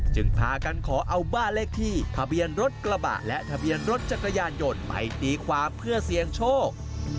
พากันขอเอาบ้านเลขที่ทะเบียนรถกระบะและทะเบียนรถจักรยานยนต์ไปตีความเพื่อเสี่ยงโชค